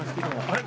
あれ？